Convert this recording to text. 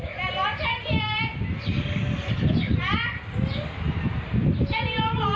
ไฟดูว่าประโยชน์กดหลงได้หรือเปล่า